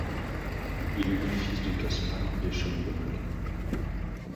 Il est le fils de Gaspard de Schomberg.